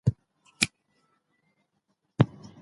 هلته هره ورځ اقتصاد رالویږي، خو دلته پورته کیږي!